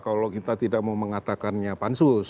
kalau kita tidak mau mengatakannya pansus